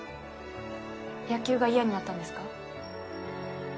野球が嫌になったんですか？